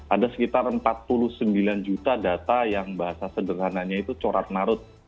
ada sekitar empat puluh sembilan juta data yang bahasa sederhananya itu corak narut